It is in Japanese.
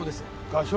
画商？